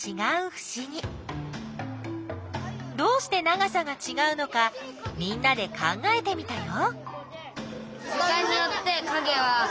どうして長さがちがうのかみんなで考えてみたよ。